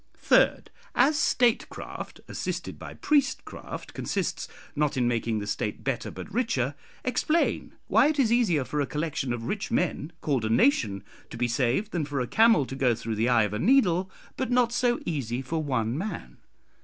"Third, As statecraft (assisted by priestcraft) consists not in making the State better but richer, explain why it is easier for a collection of rich men called a nation to be saved, than for a camel to go through the eye of a needle, but not so easy for one man.